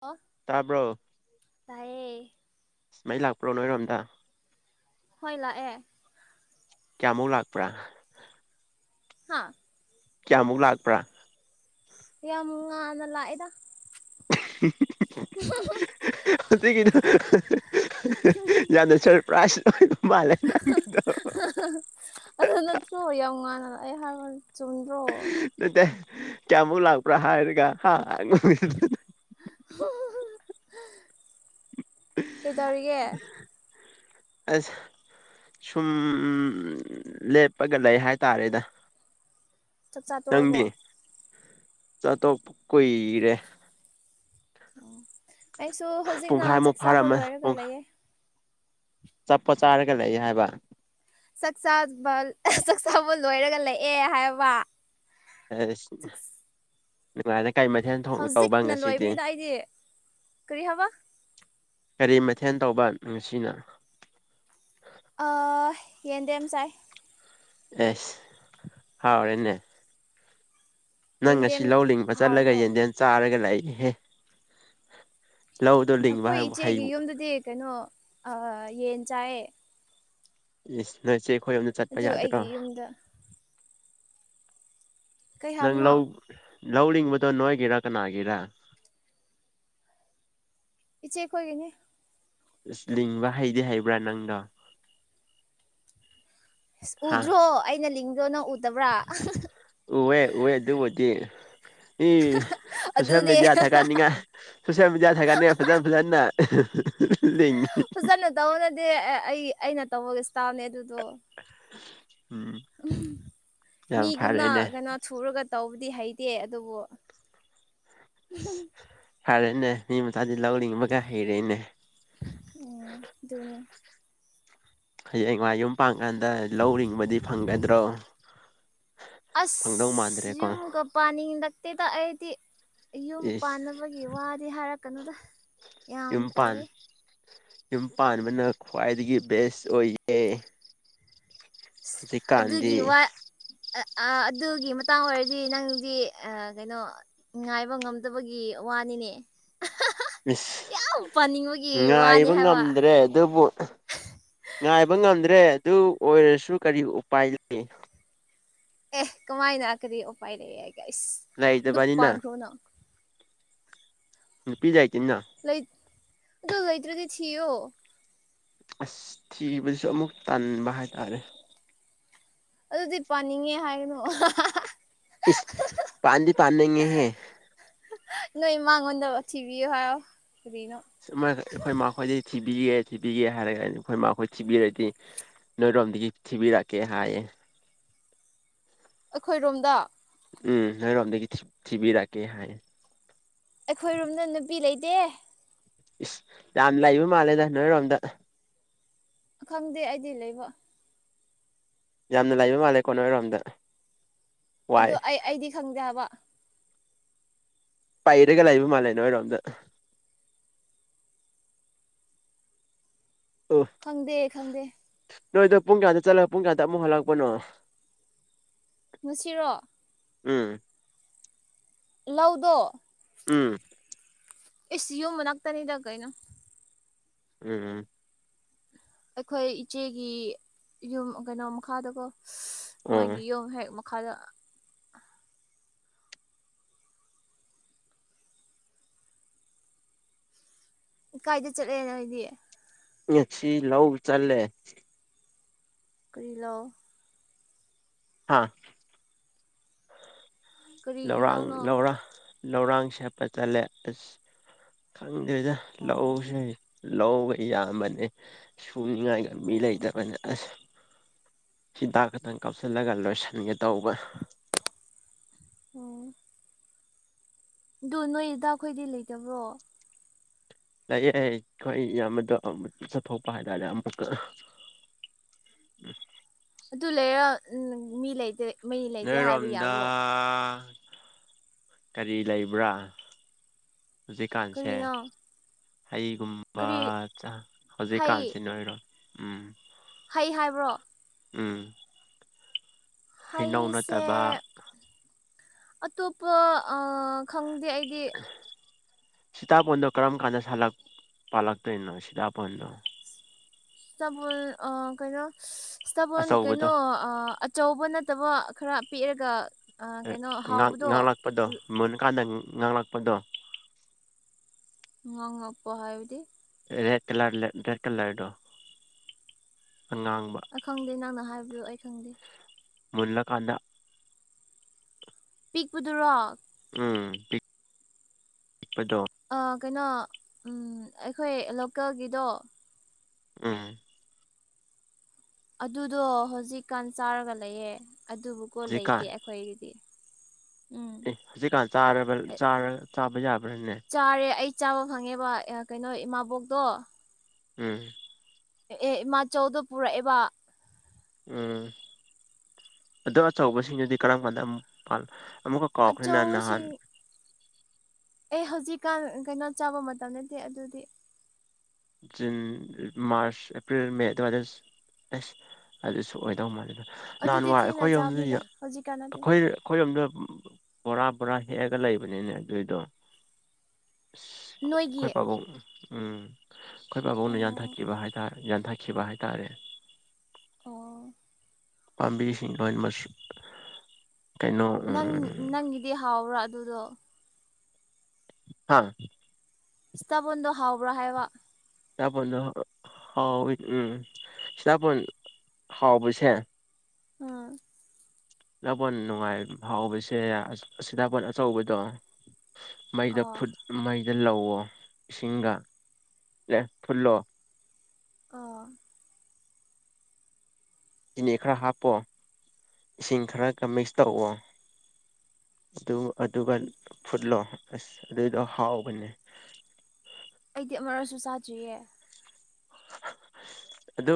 ꯑꯣ ꯇꯥꯕ꯭ꯔꯣ ꯂꯥꯛꯑꯦ ꯃꯩ ꯂꯥꯛꯄ꯭ꯔꯣ ꯅꯣꯏꯔꯣꯝꯗ ꯍꯣꯏ ꯂꯥꯛꯑꯦ ꯀꯌꯥꯃꯨꯛ ꯂꯥꯛꯄ꯭ꯔꯥ ꯍꯥꯥ ꯀꯌꯥꯃꯨꯛ ꯂꯥꯛꯄ꯭ꯔꯥ ꯌꯥꯝ ꯉꯥꯟꯅ ꯂꯥꯛꯏꯗ [unintelligible] ꯍꯧꯖꯤꯛꯀꯤꯗꯨ ꯌꯥꯝꯅ ꯁꯔꯄ꯭ꯔꯥꯏꯖ ꯑꯣꯏꯕ ꯃꯥꯜꯂꯦ ꯅꯪꯒꯤꯗꯣ ꯑꯗꯨ ꯅꯠꯇ꯭ꯔꯣ ꯌꯥꯝ ꯉꯥꯟꯅ ꯑꯩ ꯍꯥꯏꯕ ꯆꯨꯝꯗ꯭ꯔꯣ ꯅꯠꯇꯦ ꯀꯌꯥꯃꯨꯛ ꯂꯥꯛꯄ꯭ꯔꯥ ꯍꯥꯏꯔꯒ ꯍꯥ [unintelligible] [unintelligible] ꯀꯩꯗꯧꯔꯤꯒꯦ ꯑꯁ ꯁꯨꯝ ꯂꯦꯞꯄꯒ ꯂꯩ ꯍꯥꯏꯇꯥꯔꯦꯗ ꯆꯥꯛꯆꯥ ꯇꯣꯛꯔꯕꯣ ꯅꯪꯗꯤ ꯆꯥꯇꯣꯛ ꯀꯨꯏꯔꯦ ꯑꯩꯁꯨ ꯍꯧꯖꯤꯛꯅ ꯄꯨꯡꯈꯥꯏꯃꯨꯛ ꯆꯥꯛ ꯆꯥꯕ ꯐꯥꯔꯝꯃ ꯂꯣꯏꯔꯒ ꯄꯨꯡꯈꯥꯏ ꯂꯩꯌꯦ ꯑꯆꯥꯄꯣꯠ ꯆꯥꯔꯒ ꯂꯩꯌꯦ ꯍꯥꯏꯕ ꯆꯥꯛꯆꯥꯕ ꯆꯥꯛꯆꯥꯕ ꯂꯣꯏꯔꯒ ꯂꯩꯑꯦ ꯍꯥꯏꯕ ꯑꯁ [unintelligible] ꯀꯩ ꯃꯊꯦꯜ ꯊꯣꯡꯉꯦ ꯄꯧꯕ ꯍꯧꯖꯤꯛꯅ ꯉꯁꯤꯗꯤ ꯂꯣꯏꯕꯅꯤꯗ ꯑꯩꯗꯤ ꯀꯔꯤ ꯍꯥꯏꯕ ꯀꯔꯤ ꯃꯊꯦꯜ ꯇꯧꯕ ꯉꯁꯤꯅ ꯑ ꯌꯦꯟꯗꯦꯝ ꯆꯥꯏ ꯑꯁ ꯍꯥꯎꯔꯦꯅꯦ ꯅꯪ ꯉꯁꯤ ꯌꯦꯟꯗꯦꯝ ꯂꯧ ꯂꯤꯡꯕ ꯆꯠꯂꯒ ꯍꯥꯎꯕ꯭ꯔꯣ ꯌꯦꯟꯗꯦꯝ ꯆꯥꯔꯒ ꯂꯩꯍꯦ ꯂꯧꯗꯨ ꯑꯈꯣꯏ ꯏꯆꯦꯒꯤ ꯌꯨꯝꯗꯨꯗꯤ ꯀꯩꯅꯣ ꯑ ꯌꯦꯟ ꯆꯥꯏꯌꯦ ꯏꯁ ꯅꯣꯏꯆꯦ ꯈꯣꯏ ꯌꯨꯝ ꯑꯗꯨ ꯑꯩꯒꯤ ꯌꯨꯝꯗ ꯀꯩ ꯅꯪ ꯍꯥꯏꯕꯅꯣ ꯂꯧ ꯂꯧꯂꯤꯡꯕꯗꯣ ꯅꯣꯏꯒꯤꯔ ꯀꯅꯥꯒꯤꯔ ꯏꯆꯦ ꯈꯣꯏꯒꯤꯅꯤ ꯏꯁ ꯂꯤꯡꯕ ꯍꯩꯗꯤ ꯍꯩꯕ꯭ꯔꯥ ꯅꯪꯗꯣ ꯏꯁ ꯍꯥ ꯎꯗ꯭ꯔꯣ ꯑꯩꯅ ꯂꯤꯡꯕꯗꯣ ꯅꯪ ꯎ ꯎꯋꯦ ꯎꯋꯦ ꯑꯗꯨꯕꯨꯗꯤ ꯏ ꯁꯣꯁꯤꯌꯦꯜ ꯑꯗꯨꯅꯦ ꯃꯦꯗꯤꯌꯥ ꯊꯥꯒꯠꯅꯤꯡꯉꯥꯏ ꯁꯣꯁꯤꯌꯦꯜ ꯃꯦꯗꯤꯌꯥ ꯊꯥꯒꯠꯅꯤꯉꯥꯏ ꯐꯖ ꯐꯖꯅ [unintelligible] ꯂꯤꯡꯉꯤ ꯀꯟꯅ ꯇꯧꯋꯅꯗꯤ ꯑꯩ ꯑꯩꯅ ꯇꯧꯕꯒꯤ ꯏꯁꯇꯥꯏꯜꯅꯦ ꯑꯗꯨꯗꯣ [inaudible] [unintelligible] ꯌꯥꯝ ꯃꯤꯒꯨꯝꯅ ꯐꯔꯦꯅꯦ ꯀꯩꯅꯣ ꯁꯨꯔꯒ ꯇꯧꯕꯗꯤ ꯍꯩꯇꯦ ꯑꯗꯨꯕꯨ ꯐꯔꯦꯅꯦ ꯃꯤ ꯃꯆꯥꯗꯤ ꯂꯧ ꯂꯤꯡꯕꯒ ꯍꯩꯔꯦꯅꯦ ꯑꯨꯝ ꯗꯨꯅꯦ꯫ ꯍꯌꯦꯡꯋꯥꯢ ꯌꯨꯝ ꯄꯥꯟꯀꯥꯟꯗ ꯂꯧ ꯔꯤꯡꯕꯗꯤ ꯐꯪꯒꯗ꯭ꯔꯣ꯫ ꯐꯪꯗꯧ ꯑꯁ ꯃꯥꯟꯗ꯭ꯔꯦꯀꯣ ꯌꯨꯝ ꯒ꯫ ꯄꯥꯅꯤꯡꯂꯛꯇꯦꯗ ꯑꯩꯗꯤ ꯌꯨꯝ ꯏꯁ ꯄꯥꯟꯅꯕꯒꯤ ꯋꯥꯗꯤ ꯍꯥꯏꯔꯛꯀꯅꯨꯗ꯫ ꯌꯥꯝ ꯌꯨꯝꯄꯥꯟ ꯇꯜꯂꯦ ꯌꯨꯝ ꯄꯥꯟꯕꯅ ꯈ꯭ꯋꯥꯏꯗꯒꯤ ꯕꯦꯁ ꯑꯣꯏꯌꯦ꯫ ꯏꯁ ꯑꯗꯨꯒꯤ ꯍꯧꯖꯤꯛꯀꯥꯟꯗꯤ ꯋꯥ꯫ ꯑꯥ ꯑꯗꯨꯒꯤ ꯃꯇꯥꯡ ꯑꯣꯏꯔꯗꯤ ꯅꯪꯗꯤ ꯑꯥ ꯀꯩꯅꯣ ꯉꯥꯏꯕ ꯉꯝꯗꯕꯒꯤ ꯋꯥꯅꯤꯅꯦ꯫ ꯏꯁ ꯌꯥꯝ ꯄꯥꯅꯤꯡꯕꯒꯤ ꯋꯥꯅꯤ ꯉꯥꯏꯕ ꯍꯥꯏꯕ ꯉꯝꯗ꯭ꯔꯦ ꯑꯗꯨꯕꯨ ꯉꯥꯏꯕ ꯉꯝꯗ꯭ꯔꯦ ꯑꯗꯨ ꯑꯣꯏꯔꯁꯨ ꯀꯔꯤ ꯎꯄꯥꯏ ꯂꯩ꯫ ꯑꯦ ꯀꯃꯥꯏꯅ ꯀꯔꯤ ꯎꯄꯥꯏꯂꯩꯑꯥꯢꯒꯦ ꯏꯁ ꯑꯗꯨ ꯂꯩꯇꯕꯅꯤꯅ ꯄꯥꯟꯈ꯭ꯔꯣꯅꯥ꯫ ꯅꯨꯄꯤ ꯂꯩꯇꯦꯅ꯫ ꯂꯩꯠ ꯑꯗꯣ ꯂꯩꯇ꯭ꯔꯥꯗꯤ ꯊꯤꯌꯣ ꯑꯁ ꯊꯤꯕꯁꯨ ꯑꯃꯨꯛ ꯇꯟꯕ ꯍꯥꯏꯇꯥꯔꯦ ꯑꯗꯨꯗꯤ ꯄꯥꯅꯤꯡꯉꯦ ꯍꯥꯏꯒꯅꯣ ꯏꯁ ꯄꯥꯟꯗꯤ ꯄꯥꯟꯅꯤꯡꯉꯦꯍꯦ ꯅꯣꯏ ꯃꯉꯣꯟꯗ ꯊꯤꯕꯤꯌꯨ ꯍꯥꯏꯌꯣ ꯀꯔꯤꯅꯣ ꯁꯨꯃꯥꯢꯈ ꯑꯩꯈꯣꯏ ꯃꯈꯣꯏꯗꯤ ꯊꯤꯕꯤꯒꯦ ꯊꯤꯕꯤꯒꯦ ꯍꯥꯏꯔꯒ ꯑꯩꯈꯣꯏ ꯃꯍꯣꯏ ꯊꯤꯕꯤꯔꯗꯤ ꯅꯣꯏꯔꯣꯝꯗꯒꯤ ꯊꯤꯕꯤꯔꯛꯀꯦ ꯍꯥꯏꯌꯦ ꯑꯩꯈꯣꯏꯔꯣꯝꯗ ꯎꯝ ꯅꯣꯏꯔꯣꯝꯗꯒꯤ ꯊꯤꯕꯤꯔꯛꯀꯦ ꯍꯥꯏꯌ ꯑꯩꯈꯣꯏꯔꯣꯝꯗ ꯅꯨꯄꯤ ꯂꯩꯇꯦ ꯏꯁ ꯌꯥꯝ ꯂꯩꯕ ꯃꯥꯜꯂꯦꯗ ꯅꯣꯏꯔꯣꯝꯗ ꯈꯪꯗꯦ ꯑꯩꯗꯤ ꯂꯩꯕ ꯌꯥꯝꯅ ꯂꯩꯕ ꯃꯥꯜꯂꯦꯀꯣ ꯅꯣꯏꯔꯣꯝꯗ ꯑꯣ ꯋꯥꯏ ꯑꯩ ꯑꯩꯗꯤ ꯈꯪꯗꯕ ꯄꯩꯔꯒ ꯂꯩꯕ ꯃꯥꯜꯂꯦ ꯅꯣꯏꯔꯣꯝꯗ [unintelligible] ꯈꯪꯗ ꯈꯪꯗ ꯅꯣꯏꯗꯣ ꯄꯨꯡ ꯀꯌꯥꯗ ꯆꯠꯂꯒ ꯄꯨꯡꯌꯥꯗ ꯑꯃꯨꯛ ꯍꯜꯂꯛꯄꯅꯣ ꯅꯨꯡꯁꯤꯔꯣ ꯎꯝ ꯂꯧꯗꯣ ꯎꯝ ꯑꯦꯁꯤꯌꯣ ꯃꯅꯥꯛꯛꯇꯅꯤꯗꯒꯩꯅ ꯎꯝ ꯎꯝ ꯑꯩꯈꯣꯏ ꯏꯆꯦꯒꯤ ꯌꯨꯝ ꯀꯩꯅꯣ ꯃꯈꯥꯗꯀꯣ ꯑꯣ ꯃꯣꯏꯒꯤ ꯌꯨꯝ ꯍꯦꯛ ꯈꯂ ꯀꯥꯏꯗ ꯆꯠꯂꯦꯅꯣ ꯍꯥꯏꯗꯤ ꯁꯤ ꯂꯧꯕ ꯆꯜꯂꯦ ꯀꯔꯤꯂꯣ ꯍꯥꯥ ꯀꯔꯤꯒꯤ ꯂꯧꯔꯥꯡ ꯂꯧꯅꯣ ꯂꯧꯔ ꯂꯧꯔꯥꯡ ꯁꯦꯠꯄ ꯆꯠꯂꯦ ꯑꯁ ꯈꯪꯗꯣꯏꯗ ꯑꯣ ꯂꯧꯁ ꯂꯧꯕ ꯌꯥꯝꯕꯅꯦ ꯁꯨꯅꯤꯡꯉꯥꯏꯒ ꯃꯤ ꯑꯣ ꯂꯩꯇꯕꯅꯦ ꯑꯁ ꯍꯤꯗꯥꯛ ꯈꯇꯪ ꯀꯥꯞꯁꯤꯜꯂꯒ ꯂꯣꯏꯁꯤꯟꯒꯦ ꯇꯧꯕ ꯑꯣ ꯑꯗꯨ ꯅꯣꯏꯗ ꯑꯩꯈꯣꯏꯗꯤ ꯂꯩꯇꯕ꯭ꯔꯣ ꯂꯥꯛꯑꯦ ꯌꯥꯌꯦ ꯑꯩꯈꯣꯏ ꯌꯥꯝꯕꯗꯣ ꯆꯠꯊꯣꯛꯄ ꯍꯥꯏꯇꯥꯔꯦ ꯑꯃꯨꯛꯀ [unintelligible] ꯑꯗꯨ ꯂꯩꯦꯔ ꯎꯝ ꯃꯤ ꯂꯩ ꯂꯩꯗꯦ ꯅꯣꯏ ꯔꯣꯝꯗ ꯀꯔꯤ ꯂꯩꯕ꯭ꯔꯥ ꯍꯧꯖꯤꯛꯀꯥꯟꯁꯦ ꯀꯔꯤꯅꯣ ꯍꯩꯒꯨꯝꯕ ꯀꯔꯤ ꯍꯩ ꯍꯧꯖꯤꯛꯀꯥꯟꯁꯤꯅ ꯑꯣꯏꯔꯣ ꯎꯝ ꯍꯩ ꯍꯥꯏꯕ꯭ꯔꯣ ꯎꯝ ꯍꯩꯅꯧ ꯍꯩꯁꯦ ꯅꯠꯇꯕ ꯑꯇꯣꯞꯄ ꯈꯪꯗꯦ ꯑꯩꯗꯤ ꯁꯤꯇꯥꯄꯣꯟꯗꯣ ꯀꯔꯝ ꯀꯥꯟꯗ ꯁꯥꯂ ꯄꯥꯜꯂꯛꯇꯣꯏꯅꯣ ꯁꯤꯇꯥꯄꯣꯟꯗꯣ ꯁꯄꯅ ꯑ ꯀꯩꯅꯣ ꯁꯇꯥꯄꯟ ꯑꯆꯧꯕꯗꯣ ꯀꯩꯅꯣ ꯑꯆꯧꯕ ꯅꯠꯇꯕ ꯈꯔ ꯄꯤꯔꯒ ꯉꯥꯡꯂꯛꯄꯗꯣ ꯃꯨꯜꯀꯥꯟꯗ ꯉꯥꯡꯂꯛꯄꯗꯣ ꯉ ꯉꯄ ꯍꯥꯏꯥꯏꯕꯗꯤ ꯔꯦꯠ ꯀꯂꯔ ꯔꯦꯠ ꯀꯂꯔꯗꯣ ꯑꯉꯥꯡꯕ ꯈꯪꯗꯦ ꯅꯪꯅ ꯍꯥꯏꯕꯗꯨꯣ ꯑꯩ ꯈꯪꯗꯦ ꯃꯂ ꯀꯥꯟꯗ ꯄꯤꯛꯄꯗꯨꯔꯣ ꯎꯝ ꯄꯤꯛ ꯄꯗꯦ ꯀꯩꯅꯣ ꯑꯩꯈꯣꯏ ꯂꯣꯀꯦꯜꯒꯤꯗꯣ ꯑ ꯑꯗꯨꯗꯣ ꯍꯧꯖꯤꯛꯀꯥꯟ ꯆꯥꯔꯒ ꯂꯩꯌꯦꯦ ꯑꯗꯨꯕꯨꯀꯣ ꯍꯧꯖꯤꯛꯀꯥꯟ ꯂꯩꯇꯦ ꯍꯣꯏꯗꯗꯤ ꯎꯝ ꯑꯦ ꯍꯧꯖꯤꯛꯀꯥꯟ ꯆꯥꯕ ꯌꯥꯕ꯭ꯔꯥꯅꯦ ꯆꯥꯔꯦ ꯑꯩ ꯆꯥꯕ ꯐꯪꯉꯦꯕ ꯀꯩꯅꯣ ꯏꯃꯥꯕꯣꯛꯇꯣ ꯎꯝ ꯑꯦ ꯏꯃꯥ ꯆꯧꯗꯣ ꯄꯨꯔꯛꯑꯦꯕ ꯎꯝ ꯑꯗꯣ ꯑꯆꯧꯕꯁꯤꯡꯗꯨꯗꯤ ꯀꯔꯝ ꯀꯥꯟꯗ ꯑꯃꯨꯛ ꯄꯜ ꯑꯃꯨꯛꯀ ꯀꯥꯎ ꯈꯔ꯭ꯦꯅꯦ ꯅꯍꯟ ꯑꯆꯧꯁꯤꯡ ꯑꯦ ꯍꯧꯖꯤꯛꯀꯥꯟ ꯀꯩꯅꯣ ꯆꯥꯕ ꯃꯇꯝ ꯅꯠꯇꯦ ꯑꯗꯨꯗꯤ ꯖꯨꯟ ꯃꯥꯔꯁ ꯑꯦꯄ꯭ꯔꯤꯜ ꯃꯦ ꯑꯗꯨꯋꯥꯏꯗ ꯑꯦꯁ ꯑꯗꯨꯁꯨ ꯑꯣꯏꯗꯧ ꯃꯥꯜꯂꯤꯕ ꯑꯗꯨꯗꯤ ꯅꯍꯥꯟꯋꯥꯏ ꯊꯦꯡꯅ ꯑꯩꯈꯣꯏ ꯌꯨꯝ ꯆꯥꯕꯅꯤꯗ ꯍꯧꯖꯤꯛꯀꯥꯟ ꯅꯠꯇꯦ ꯑꯩꯈꯣꯏ ꯑꯩꯈꯣꯏꯔꯣꯝꯗ ꯕꯣꯔꯥ ꯕꯣꯔꯥ ꯍꯦꯛꯑꯒ ꯂꯩꯕꯅꯤꯅꯦ ꯑꯗꯨꯏꯗꯣ ꯅꯣꯏꯒꯤ ꯑꯩꯈꯣꯏ ꯄꯥꯕꯨꯡ ꯎꯝ ꯑꯩꯈꯣꯏ ꯄꯥꯕꯨꯡꯅ ꯑꯣ ꯌꯥꯟꯊꯠꯈꯤꯕ ꯍꯥꯏꯇꯥꯏ ꯌꯥꯟꯊꯠꯈꯤꯕ ꯍꯥꯏꯇꯥꯔꯦ ꯑꯣ ꯄꯥꯝꯕꯤꯁꯤꯡ ꯂꯣꯏꯃꯛ ꯅꯪ ꯅꯪꯒꯤꯗꯤ ꯍꯥꯎꯕ꯭ꯔꯥ ꯑꯗꯨꯗꯣ ꯍꯥꯥ ꯏꯁ꯭ꯇꯕꯟꯗꯣ ꯍꯥꯎꯕ꯭ꯔꯥ ꯍꯥꯏꯕ ꯁꯇꯥꯄꯣꯟꯗꯣ ꯍꯥꯎꯋꯤ ꯎꯝ ꯁꯤꯇꯥꯄꯣꯟ ꯍꯥꯎꯕꯁꯦ ꯑꯝ ꯁꯤꯗꯄꯣꯟ ꯅꯨꯡꯉꯥꯏ ꯍꯥꯎꯕꯁꯦ ꯑꯁꯤꯗꯥꯄꯣꯟ ꯑꯆꯧꯕꯗꯣ ꯃꯩꯗꯨ ꯑꯣ ꯃꯩꯗ ꯂꯧꯑꯣ ꯏꯁꯤꯡꯒ ꯑꯦ ꯐꯨꯠꯂꯣ ꯑ ꯆꯤꯅꯤ ꯈꯔ ꯍꯥꯞꯄꯣ ꯏꯁꯤꯡ ꯈꯔꯒ ꯃꯤꯛꯁ ꯇꯧꯑꯣ ꯑꯗꯨ ꯑꯗꯨꯒ ꯐꯨꯠꯂꯣ ꯑꯁ ꯑꯗꯨꯏꯗꯣ ꯍꯥꯎꯕꯅꯦ ꯑꯩꯗꯤ ꯑꯃꯛꯁꯨ ꯆꯥꯗ꯭ꯔꯤꯌꯦ ꯑꯗꯨ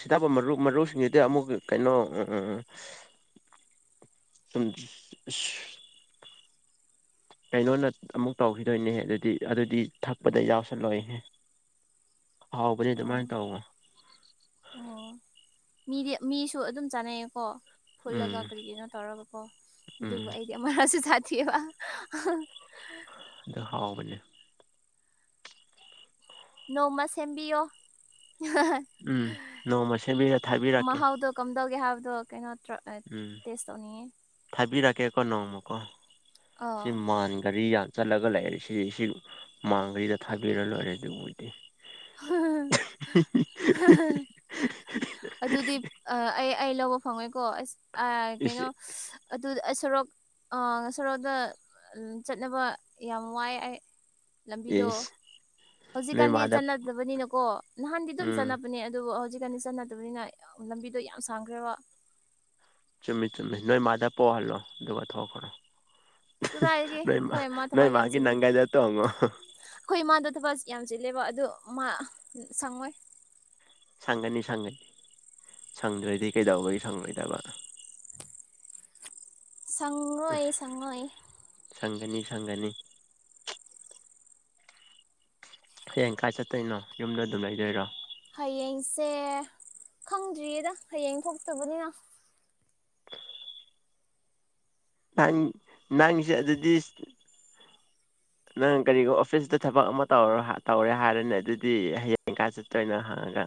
ꯁꯤꯗ ꯃꯔꯨꯞ ꯃꯔꯨꯞꯁꯤꯡꯁꯤꯗꯤ ꯑꯃꯨꯛ ꯀꯩꯅꯣ [inaudible] ꯀꯩꯅꯣꯅ ꯑꯃꯨꯛ ꯇꯧꯈꯤꯗꯣꯏꯅꯦꯍꯦ ꯑꯗꯨꯗꯤ ꯑꯗꯨꯗꯤ ꯊꯛꯄꯗ ꯌꯥꯎꯁꯜꯂꯣꯏꯍ ꯍꯥꯎꯕꯅꯦ ꯑꯗꯨꯃꯥꯏ ꯑꯣ ꯇꯧꯕ ꯑꯣ ꯃꯤꯗꯤ ꯃꯤꯁꯨ ꯑꯗꯨꯝ ꯆꯥꯅꯩꯌꯦꯀꯣ ꯐꯨꯠꯂꯒ ꯎꯝ ꯀꯔꯤꯒꯤꯅꯣ ꯇꯧꯔꯒꯀꯣ ꯎꯝ ꯑꯗꯨꯕꯨ ꯑꯩꯗꯤ ꯑꯃꯔꯁꯨ ꯁꯥꯥꯗꯦꯕ ꯑꯗ ꯍꯥꯎꯕꯅꯦ ꯅꯣꯝꯃ ꯁꯦꯝꯕꯤꯌꯣ ꯎꯝ ꯅꯣꯡꯃ ꯁꯦꯝꯕꯤꯔ ꯊꯥꯕꯤꯔꯛꯀꯦ ꯃꯍꯥꯎꯗꯣ ꯀꯝꯗꯧꯒꯦ ꯍꯥꯏꯕꯗꯣ ꯀꯩꯅꯣ ꯇ ꯎꯝ ꯇꯦꯁ ꯇꯧꯅꯤꯡꯉꯤ ꯊꯥꯕꯤꯔꯛꯀꯦꯀꯣ ꯅꯣꯡꯃꯀꯣ ꯁꯤ ꯑꯥ ꯃꯥꯟ ꯒꯔꯤ ꯌꯥ ꯆꯠꯂꯒ ꯂꯩꯔꯦ ꯁꯤ ꯁꯤ ꯃꯥꯡ ꯒꯥꯔꯤꯗ ꯊꯥꯕꯤꯔ ꯂꯣꯏꯔꯦ ꯑꯗꯨꯕꯨꯗꯤ [unintelligible] ꯑꯗꯨꯗꯤ ꯑꯩ ꯑꯩ ꯂꯧꯕ ꯐꯪꯉꯣꯏꯀꯣ ꯑꯁ ꯑ ꯀꯩꯅꯣ ꯏꯁ ꯑꯗꯨ ꯑꯩ ꯁꯔꯣꯛ ꯑꯥ ꯁꯣꯔꯣꯛꯇ ꯆꯠꯅꯕ ꯌꯥꯝ ꯋꯥꯏ ꯑꯩ ꯂꯝꯕꯤꯗꯣ ꯏꯁ ꯅꯣꯏ ꯍꯧꯖꯤꯛꯀꯥꯟꯗꯤ ꯃꯥꯗ ꯆꯠꯅꯗꯕꯅꯤꯅꯀꯣ ꯅꯍꯥꯟꯗꯤ ꯑꯗꯨꯝ ꯎꯝ ꯆꯠꯅꯕꯅꯦ ꯑꯗꯨꯕꯨ ꯍꯧꯖꯤꯛꯀꯥꯟꯗꯤ ꯆꯠꯅ ꯗꯕꯅꯤꯅ ꯂꯝꯕꯤꯗꯣ ꯌꯥꯝ ꯁꯥꯡꯈ꯭ꯔꯦꯕ ꯆꯨꯝꯃꯤ ꯆꯨꯝꯃꯤ ꯅꯣꯏ ꯃꯥꯗ ꯄꯣꯍꯜꯂꯣ ꯑꯗꯨꯒ ꯊꯣꯛꯈꯔꯣ ꯀꯗꯥꯏꯗꯒꯤ ꯅꯣꯏ ꯃꯥ ꯑꯩꯈꯣꯏ ꯏꯃꯥ ꯅꯣꯏ ꯊꯕꯛ ꯌꯥꯝ ꯃꯥꯒꯤ ꯆꯤꯜꯂꯤ ꯅꯪꯒꯟꯗ ꯇꯣꯡꯉꯣ ꯑꯩꯈꯣꯏ ꯏꯃꯥꯗꯣ ꯊꯕꯛ ꯌꯥꯝ ꯆꯤꯜꯂꯦꯕ ꯑꯗꯣ ꯃꯥ ꯁꯪꯉꯣꯏ ꯁꯪꯒꯅꯤ ꯁꯪꯒꯅꯤ ꯁꯪꯗ꯭ꯔꯗꯤ ꯀꯩꯗꯧꯕꯒꯤ ꯁꯪꯉꯣꯏꯗꯕ ꯁꯪꯉꯣꯏ ꯁꯪꯉꯣꯏ ꯁꯪꯒꯅꯤ ꯁꯪꯒꯅꯤ ꯍꯌꯦꯡ ꯀꯥꯏ ꯆꯠꯇꯣꯏꯅꯣ ꯌꯨꯝꯗ ꯑꯗꯨꯝ ꯂꯩꯗꯣꯏꯔꯣ ꯍꯌꯦꯡꯁꯦ ꯈꯪꯗ꯭ꯔꯤꯌꯦꯗ ꯍꯌꯦꯡ ꯊꯣꯛꯇꯕꯅꯤꯅ ꯅ ꯅꯪꯁꯤ ꯑꯗꯨꯗꯤ ꯅꯪ ꯀꯔꯤꯒꯨ ꯑꯣꯐꯤꯁꯇ ꯊꯕꯛ ꯑꯃ ꯇꯧꯔ ꯇꯧꯔꯦ ꯍꯥꯏꯔꯅꯦ ꯑꯗꯨꯗꯤ ꯍꯌꯦꯡ ꯀꯥꯏ ꯆꯠꯇꯣꯏ ꯅꯣ ꯍꯪꯉꯒ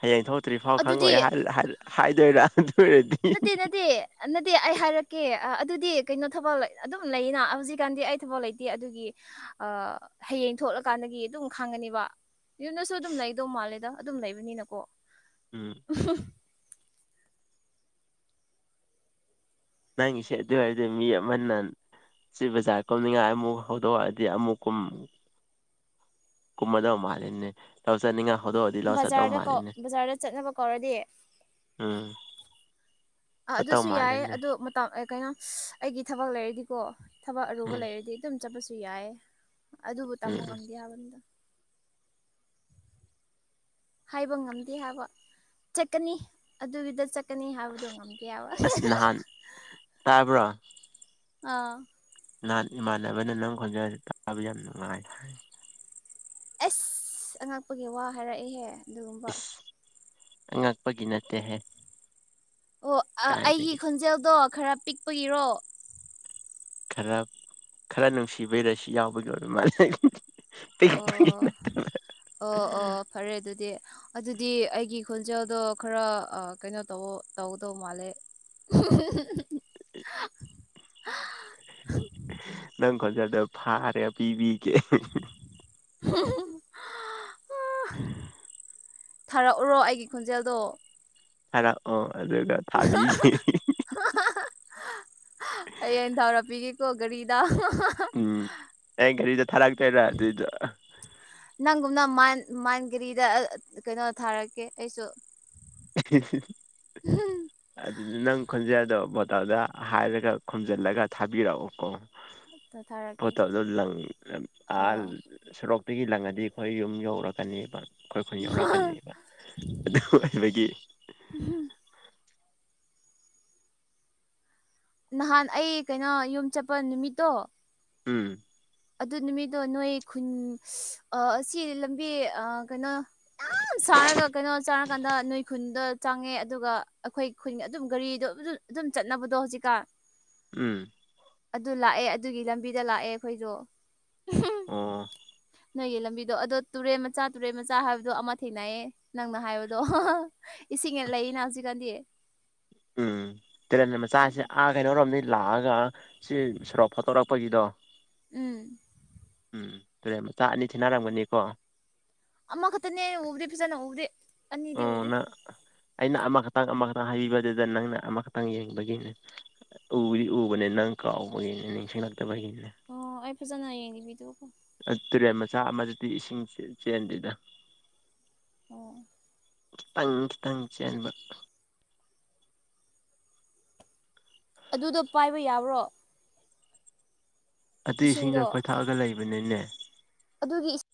ꯍꯌꯦꯡ ꯊꯣꯛꯇ꯭ꯔꯤ ꯐꯥꯎ ꯈꯪꯉꯣꯏ ꯑꯗꯨꯗꯤ ꯍꯥꯏ ꯍꯥꯏ ꯍꯥꯏꯗꯣꯏꯔꯥ ꯑꯗꯨ ꯑꯣꯏꯔꯗꯤ [unintelligible] ꯅꯗꯤ ꯑꯩ ꯍꯥꯏꯔꯛꯀꯦ ꯑꯗꯨꯗꯤ ꯀꯩꯅꯣ ꯊꯕꯜ ꯑꯗꯨꯝ ꯂꯩꯅ ꯍꯧꯖꯤꯛꯀꯥꯟꯗꯤ ꯑꯩ ꯊꯕꯛ ꯂꯩꯇꯦ ꯑꯗꯨꯒꯤ ꯑ ꯍꯌꯦꯡ ꯊꯣꯛꯂꯀꯥꯟꯗꯒꯤ ꯑꯗꯨꯝ ꯈꯪꯉꯅꯤꯕ ꯌꯨꯝꯅꯁꯨ ꯑꯗꯨꯝ ꯂꯩꯗꯧ ꯃꯥꯜꯂꯦꯗ ꯑꯗꯨꯝ ꯂꯩꯕꯅꯤꯅꯀꯣ ꯎꯝ [unintelligible] ꯅꯪꯒꯤꯁꯦ ꯑꯗꯨ ꯑꯣꯏꯗꯤ ꯃꯤ ꯑꯃꯅ ꯁꯤ ꯕꯖꯥꯔ ꯀꯨꯝꯅꯤꯡꯉꯥꯏ ꯑꯃꯨꯛ ꯍꯧꯗꯣꯛꯑꯗꯤ ꯑꯃꯨꯛ ꯀꯨꯝ ꯀꯨꯝꯃꯗꯧ ꯃꯥꯜꯂꯤꯅꯦ ꯂꯧꯆꯥꯠꯅꯤꯡꯉ ꯍꯧꯗꯣꯛ ꯑꯗꯤ ꯂꯧ ꯆꯠꯇꯧ ꯕꯖꯥꯔꯗ ꯀꯣ ꯃꯥꯜꯂꯤꯅꯦ ꯕꯖꯥꯔꯗ ꯆꯠꯅꯕ ꯀꯧꯔꯗꯤ ꯎꯝ ꯑ ꯆꯠꯇꯧ ꯑꯗꯨꯁꯨ ꯌꯥꯏ ꯃꯥꯜꯂꯤꯅꯦ ꯑꯗꯨ ꯇ ꯑꯦ ꯀꯩꯅꯣ ꯑꯩꯒꯤ ꯊꯕꯛ ꯂꯩꯔꯗꯤꯀꯣ ꯊꯕꯛ ꯑꯔꯨꯕ ꯎꯝ ꯂꯩꯔꯗꯤ ꯑꯗꯨꯝ ꯆꯠꯄꯁꯨ ꯌꯥꯏ ꯑꯗꯨꯕꯨ ꯎꯝ ꯇꯝꯕ ꯎꯝ ꯉꯝꯗꯦ ꯌꯥꯕꯅꯤꯗ ꯍꯥꯏꯕ ꯉꯝꯗꯦ ꯍꯥꯏꯕ ꯆꯠꯀꯅꯤ ꯑꯗꯨꯒꯤꯗ ꯆꯠ ꯀꯅꯤ ꯍꯥꯏꯕꯗꯣ ꯉꯝꯗꯦꯕ ꯑꯁ ꯅꯍꯥꯟ ꯇꯥꯕ꯭ꯔꯣ ꯑꯥ ꯅꯍꯥꯟ ꯏꯃꯥꯟꯅꯕꯅ ꯅꯪ ꯈꯣꯟꯖꯦꯜꯁꯤ ꯇꯥꯕ ꯌꯥꯝ ꯅꯨꯡꯉꯥꯏ ꯍꯥꯏ ꯑꯁ ꯑꯉꯛꯄꯒꯤ ꯋꯥ ꯍꯥꯏꯔꯛꯏꯍꯦ ꯑꯗꯨꯒꯨꯝꯕ ꯏꯁ ꯑꯉꯛꯄꯒꯤ ꯅꯠꯇꯦꯍꯦ ꯑꯣ ꯑꯩꯒꯤ ꯀꯥꯏꯗꯒꯤ ꯈꯣꯟꯖꯦꯜꯗꯣ ꯈꯔ ꯄꯤꯛꯄꯒꯤꯔꯣ ꯈꯔ ꯈꯔ ꯅꯨꯡꯁꯤꯕꯩ ꯔꯁꯤ ꯌꯥꯎꯕꯒꯤ ꯑꯣꯏꯕ ꯃꯥꯜꯂꯦ ꯑꯣ ꯄꯤꯛꯄꯒꯤꯅ ꯑꯣ ꯑꯣ ꯐꯔꯦ ꯑꯗꯨꯗꯤ ꯑꯗꯨꯗꯤ ꯑꯩꯒꯤ ꯈꯣꯟꯖꯦꯜꯗꯣ ꯈꯔ ꯀꯩꯅꯣ ꯇꯧ ꯇꯧꯒꯗꯧ ꯃꯥꯜꯂꯦ [unintelligible] ꯅꯪ ꯈꯣꯟꯆꯦꯜꯗ ꯐꯥꯔꯦ ꯄꯤꯕꯤꯒꯦ [unintelligible] ꯊꯥꯔꯛꯎꯔꯣ ꯑꯩꯒꯤ ꯈꯣꯟꯖꯦꯜꯗꯣ ꯊꯥꯔꯛꯑꯣ ꯑꯗꯨꯒ ꯊꯥꯕꯤꯒꯦ [unintelligible] ꯍꯌꯦꯡ ꯊꯥꯔꯛꯄꯤꯒꯦꯀꯣ ꯒꯥꯔꯤꯗ ꯎꯝ ꯀꯩ ꯒꯥꯔꯤꯗ ꯊꯥꯔꯛꯇꯣꯏꯔ ꯑꯗꯨꯗ ꯅꯪꯒꯨꯝꯅ ꯃꯥꯟ ꯃꯥꯟ ꯒꯔꯤꯗ ꯀꯩꯅꯣ ꯊꯥꯔꯛꯀꯦ ꯑꯩꯁꯨ [unintelligible] ꯑꯗꯨꯗ ꯅꯪ ꯈꯣꯟꯖꯦꯜꯗꯣ ꯕꯣꯇꯥꯜꯗ ꯍꯥꯏꯔꯒ ꯈꯣꯝꯖꯤꯜꯂꯒ ꯊꯥꯕꯤꯔꯛꯑꯣꯀꯣ ꯊꯥꯔꯛꯀꯦ ꯄꯣꯜꯇꯜ ꯗꯣ ꯂꯪꯏ ꯑꯥ ꯂꯪ ꯁꯣꯔꯣꯛꯇꯒꯤ ꯂꯪꯉꯗꯤ ꯑꯩꯈꯣꯏ ꯌꯨꯝ ꯌꯧꯔꯛꯀꯅꯦꯕ ꯑꯩꯈꯣꯏ ꯈꯨꯟ ꯌꯧꯔꯛꯀꯅꯦꯕ ꯑꯗꯨ ꯗꯒꯤ [unintelligible] ꯅꯍꯥꯟ ꯑꯩ ꯀꯩꯅꯣ ꯌꯨꯝ ꯆꯠꯄ ꯅꯨꯃꯤꯠꯇꯣ ꯎꯝ ꯑꯗꯨ ꯅꯨꯃꯤꯠꯇꯣ ꯅꯣꯏ ꯈꯨꯟ ꯑꯁꯤ ꯂꯝꯕꯤ ꯀꯩꯅꯣ ꯌꯥꯝ ꯁꯥꯔꯒ ꯀꯩꯅꯣ ꯆꯥꯔꯀꯥꯟꯗ ꯅꯣꯏ ꯈꯨꯟꯗ ꯆꯪꯉꯦ ꯑꯗꯨꯒ ꯑꯩꯈꯣꯏ ꯈꯨꯟ ꯑꯗꯨꯝ ꯒꯥꯔꯤꯗꯣ ꯑꯗꯨꯝ ꯆꯠꯅꯕꯗꯣ ꯍꯧꯖꯤꯛꯀꯥꯟ ꯎꯝ ꯑꯗꯨ ꯂꯥꯛꯑꯦ ꯑꯗꯨꯒꯤ ꯂꯝꯕꯤꯗ ꯂꯥꯛꯑꯦ ꯑꯩꯈꯣꯏꯗꯣ ꯑꯣ ꯅꯣꯏꯒꯤ ꯂꯝꯕꯤꯗꯣ ꯑꯗꯣ ꯇꯨꯔꯦꯟ ꯃꯆꯥ ꯇꯨꯔꯦꯟ ꯃꯆꯥ ꯍꯥꯏꯕꯗꯣ ꯑꯃ ꯊꯦꯡꯅꯌꯦ ꯅꯪꯅ ꯍꯥꯏꯕꯗꯣ ꯏꯁꯤꯡꯒ ꯂꯩꯌꯦꯅ ꯍꯧꯖꯤꯛꯀꯥꯟꯗꯤ ꯎꯝ ꯇꯣꯔꯦꯟ ꯃꯆꯥꯁꯤ ꯑꯥ ꯀꯩꯅꯣꯔꯣꯝꯗꯒꯤ ꯂꯥꯛꯑꯒ ꯁꯤ ꯁꯣꯔꯣꯛ ꯐꯣꯠꯇꯧꯔꯛꯄ ꯄꯒꯤꯗꯣ ꯎꯝ ꯎꯝ ꯇꯨꯔꯦꯟ ꯃꯆꯥ ꯑꯅꯤ ꯇꯤꯟꯅꯔꯝꯒꯅꯤꯀꯣ ꯑꯃ ꯈꯛꯇꯅꯦ ꯑꯩꯅ ꯎꯕꯗꯤ ꯐꯖꯥꯅ ꯎꯕꯗꯤ ꯑꯅꯤꯗꯤ ꯑꯣ ꯎꯗꯦ ꯅꯪ ꯑꯩꯅ ꯑꯃꯈꯛꯇꯪ ꯑꯃꯈꯛꯇꯪ ꯍꯥꯏꯕꯤꯕꯗꯨꯗ ꯅꯪꯅ ꯑꯃꯈꯛꯇꯪ ꯌꯦꯡꯕꯒꯤꯅꯦ ꯎꯗꯤ ꯎꯕꯅꯦ ꯅꯪ ꯀꯥꯎꯕꯒꯤꯅꯦ ꯅꯤꯡꯁꯤꯡꯂꯛꯇꯕꯒꯤꯅꯦ ꯑꯣ ꯑꯩ ꯐꯖꯅ ꯌꯦꯡꯉꯤꯕꯤꯗꯨꯀꯣ ꯇꯨꯔꯦꯟ ꯃꯆꯥ ꯑꯃꯗꯨꯗꯤ ꯏꯁꯤꯡ ꯆꯦꯟꯗꯦꯗ ꯑꯣ ꯈꯤꯇꯪ ꯈꯤꯇꯪ ꯆꯦꯟꯕ ꯑꯗꯨꯗꯣ ꯄꯥꯏꯕ ꯌꯥꯕ꯭ꯔꯣ ꯑꯗꯨ ꯢꯁꯤꯡꯗꯣ ꯏꯁꯤꯡꯗꯣ ꯑꯈꯣꯏ ꯊꯛꯑꯒ ꯂꯩꯕꯅꯤꯅꯦ ꯑꯗꯨꯒꯤ ꯏꯁꯤꯡ